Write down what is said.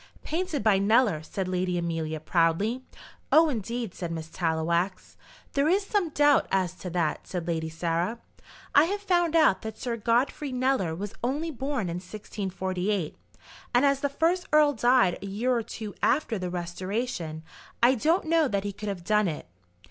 "Painted by Kneller," said Lady Amelia, proudly. "Oh, indeed," said Miss Tallowax. "There is some doubt as to that," said Lady Sarah. "I have found out that Sir Godfrey Kneller was only born in 1648, and as the first earl died a year or two after the restoration, I don't know that he could have done it."